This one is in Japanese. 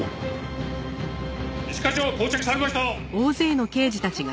一課長到着されました。